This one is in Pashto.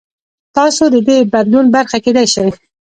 تاسو د دې بدلون برخه کېدای شئ.